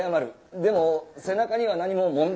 でも背中には何も問題ないようだが。